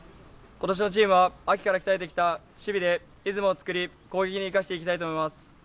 今年のチームは秋から鍛えてきた守備でリズムを作り、攻撃に生かしていきたいと思います。